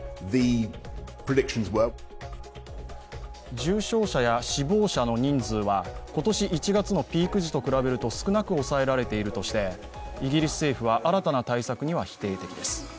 重症者や死亡者の人数は今年１月のピーク時と比べると少なく抑えられているとしてイギリス政府は新たな対策には否定的です。